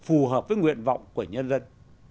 phù hợp với nguyện vọng của nhân dân